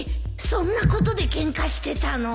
そんなことでケンカしてたの？